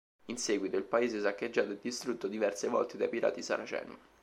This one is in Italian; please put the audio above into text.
In seguito il paese saccheggiato e distrutto diverse volte dai pirati Saraceni.